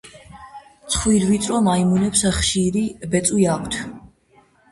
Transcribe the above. ცხვირვიწრო მაიმუნებს ხშირი ბეწვი აქვთ.